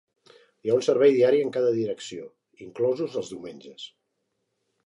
Hi ha un servei diari en cada direcció, inclosos els diumenges.